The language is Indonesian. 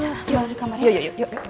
yuk yuk yuk